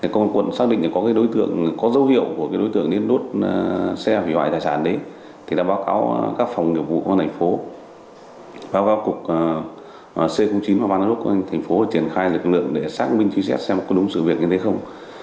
công an quận xác định có dấu hiệu của đốt xe máy hủy hoại đài sản báo cáo các phòng điều vụ của thành phố báo cáo c chín và ban đốc của thành phố triển khai lực lượng để xác minh truy xét xem có đúng sự việc như thế không